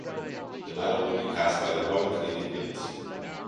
The medal will be cast by the Royal Canadian Mint.